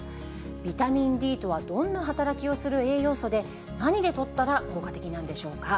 ビタミンＤとはどんな働きをする栄養素で、何でとったら効果的なんでしょうか。